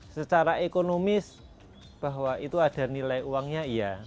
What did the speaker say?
secara ekonomis bahwa itu ada nilai uangnya iya